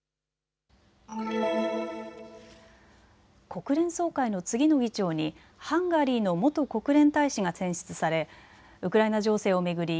国連総会の次の議長にハンガリーの元国連大使が選出されウクライナ情勢を巡り